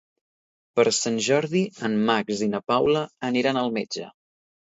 Per Sant Jordi en Max i na Paula aniran al metge.